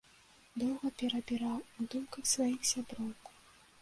Доўга перабіраў у думках сваіх сябрукоў.